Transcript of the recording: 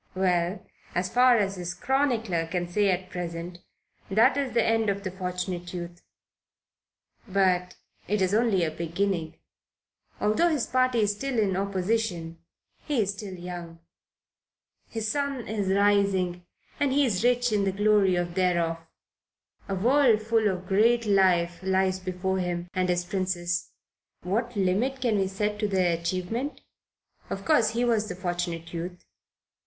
Well, as far as his chronicler can say at present, that is the end of the Fortunate Youth. But it is really only a beginning. Although his party is still in opposition, he is still young; his sun is rising and he is rich in the glory thereof. A worldful of great life lies before him and his Princess. What limit can we set to their achievement? Of course he was the Fortunate Youth.